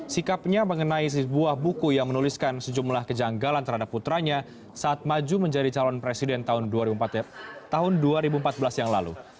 sikapnya mengenai sebuah buku yang menuliskan sejumlah kejanggalan terhadap putranya saat maju menjadi calon presiden tahun dua ribu empat belas yang lalu